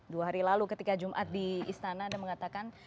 dua hari lalu ketika jumat di istana anda mengatakan